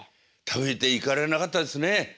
食べていかれなかったですね。